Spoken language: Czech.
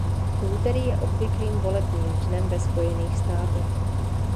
Úterý je obvyklým volebním dnem ve Spojených státech.